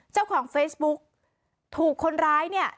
เจ้าของเฟซบุ๊กถูกคนร้ายเนี่ย